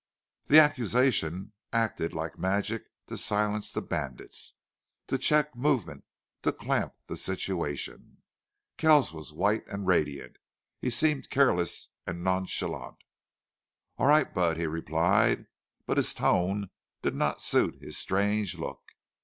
The accusation acted like magic to silence the bandits, to check movement, to clamp the situation. Kells was white and radiant; he seemed careless and nonchalant. "All right, Budd," he replied, but his tone did not suit his strange look.